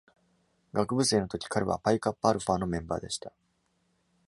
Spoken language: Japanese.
学部生の時、彼はパイカッパアルファのメンバーでした。